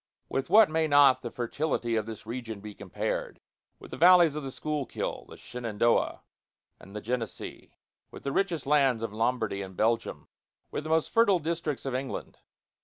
With what may not the fertility of this region be compared? With the valleys of the Schuylkill, the Shenandoah, and the Genesee; with the richest lands of Lombardy and Belgium; with the most fertile districts of England.